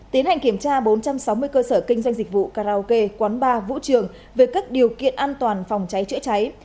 tiến hành kiểm tra bốn trăm sáu mươi cơ sở kinh doanh dịch vụ karaoke quán bar vũ trường về các điều kiện an toàn phòng cháy chữa cháy